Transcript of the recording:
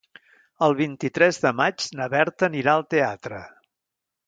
El vint-i-tres de maig na Berta anirà al teatre.